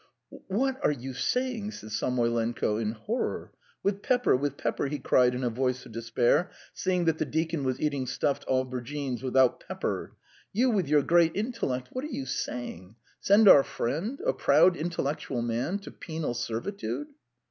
"What are you saying!" said Samoylenko in horror. "With pepper, with pepper," he cried in a voice of despair, seeing that the deacon was eating stuffed aubergines without pepper. "You with your great intellect, what are you saying! Send our friend, a proud intellectual man, to penal servitude!"